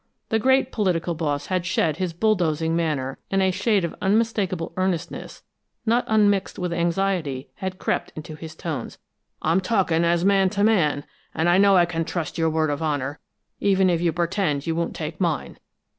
The great political boss had shed his bulldozing manner, and a shade of unmistakable earnestness, not unmixed with anxiety, had crept into his tones. "I'm talking as man to man, and I know I can trust your word of honor, even if you pretend you won't take mine.